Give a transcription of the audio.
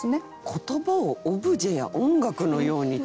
「言葉をオブジェや音楽のように」ってね。